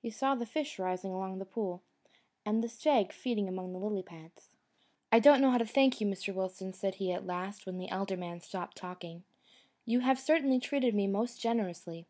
He saw the fish rising along the pool, and a stag feeding among the lily pads. "I don't know how to thank you, Mr. Wilson," said he at last, when the elder man stopped talking. "You have certainly treated me most generously.